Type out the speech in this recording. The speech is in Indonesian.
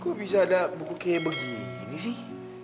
kok bisa ada buku kayak begini sih